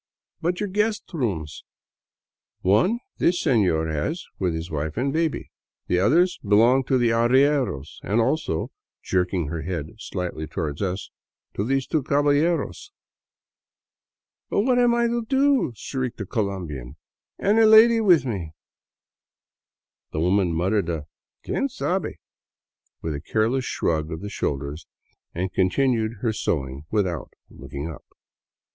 " But your guest rooms ?"" One this senor has with his wife and baby. The other belongs to the arrieros — and also," jerking her head slightly toward us, " to these two caballeros." " But what am I to do ?" shrieked the Colombian, " and a lady with me?" The woman muttered a " Quien sabe " with a careless shrug of the shoulders and continued her sewing without looking up.